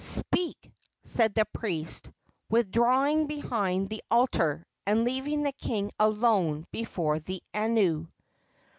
"Speak!" said the priest, withdrawing behind the altar, and leaving the king alone before the anu.